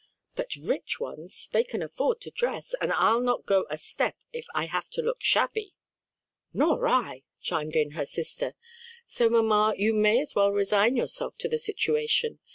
"But rich ones, that can afford to dress, and I'll not go a step if I have to look shabby." "Nor I," chimed in her sister. "So mamma you may as well resign yourself to the situation.